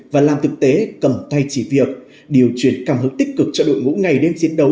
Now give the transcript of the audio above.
và làm thực tế cầm tay chỉ việc điều chuyển cảm hứng tích cực cho đội ngũ ngày đêm chiến đấu